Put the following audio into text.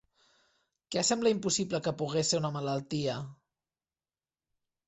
Què sembla impossible que pogués ser una malaltia?